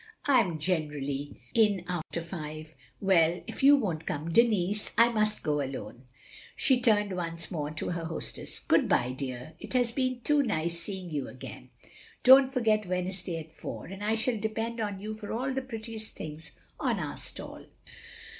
I am generally in after five. Well, if you won't come, Denis, I must go alone. " She turned once more to her hostess. "Good bye, dear, it has been too nice seeing you again. Don't forget Wednesday at foiir; and I shall depend on you for all the prettiest things on our stall.